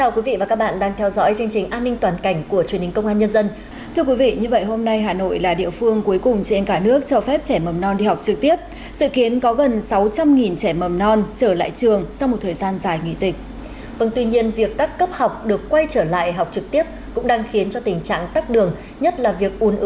các bạn hãy đăng ký kênh để ủng hộ kênh của chúng mình nhé